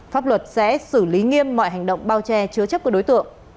pháp luật sẽ xử lý nghiêm mọi hành động bao che chứa chấp của đối tượng